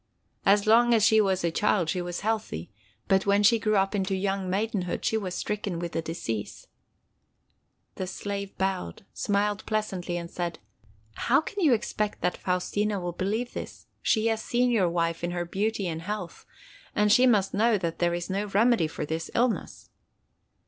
As long as she was a child she was healthy, but when she grew up into young maidenhood she was stricken with the disease." The slave bowed, smiled pleasantly, and said: "How can you expect that Faustina will believe this? She has seen your wife in her beauty and health. And she must know that there is no remedy for this illness."